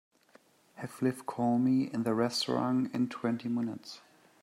Have Liv call me in the restaurant in twenty minutes.